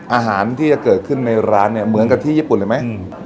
อาหารที่จะเกิดขึ้นในร้านเนี่ยเหมือนกับที่ญี่ปุ่นเลยไหม